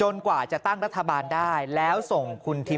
แบบอะไรเลย